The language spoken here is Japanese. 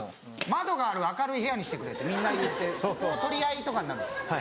「窓がある明るい部屋にしてくれ」ってみんな言ってそこを取り合いとかになるんです。